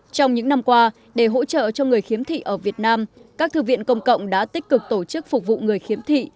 trong những năm qua để hỗ trợ cho người khiếm thị ở việt nam các thư viện công cộng đã tích cực tổ chức phục vụ người khiếm thị